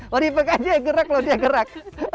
wadipak aja ya gerak dia gerak